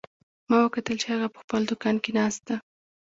ما وکتل چې هغه په خپل دوکان کې ناست ده